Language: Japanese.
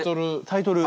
タイトル。